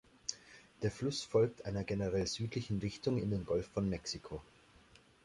Der Fluss folgt einer generell südlichen Richtung in den Golf von Mexiko.